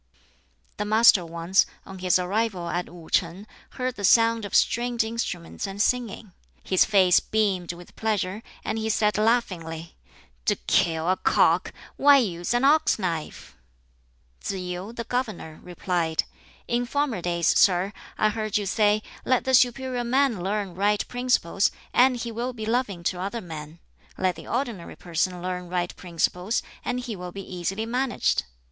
The Master once, on his arrival at Wu shing, heard the sound of stringed instruments and singing. His face beamed with pleasure, and he said laughingly, "To kill a cock why use an ox knife?" Tsz yu, the governor, replied, "In former days, sir, I heard you say, 'Let the superior man learn right principles, and he will be loving to other men; let the ordinary person learn right principles, and he will be easily managed.'"